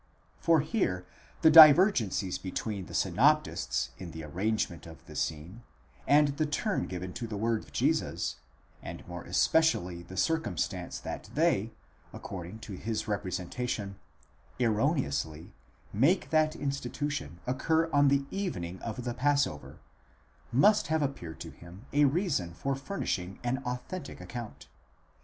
For here the divergencies between the synoptists in the arrangement of the scene, and the turn given to the words of Jesus, and more especially the circumstance that they, according to his representation, erroneously, make that institution occur on the evening of the passover, must have appeared to him a reason for furnishing an authentic account.